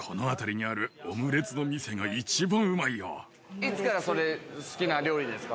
いつからそれ好きな料理ですか？